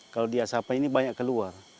kalau di asap ini banyak keluar